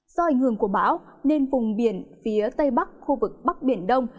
do ảnh hưởng của bão nên vùng biển phía tây bắc khu vực bắc biển đông